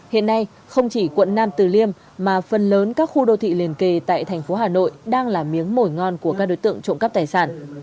hiện nay không chỉ quận nam từ liêm mà phần lớn các khu đô thị liền kề tại thành phố hà nội đang là miếng mồi ngon của các đối tượng trộm cắp tài sản